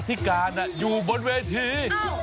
ที่การอยู่บนเวที